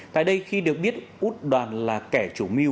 tại đây khi được biết út đoàn là kẻ chủ mưu